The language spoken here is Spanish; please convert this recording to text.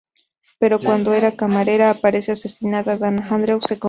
Pero cuando esa camarera aparece asesinada, Dana Andrews se convierte en el principal sospechoso.